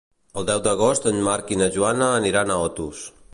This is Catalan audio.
El deu d'agost en Marc i na Joana aniran a Otos.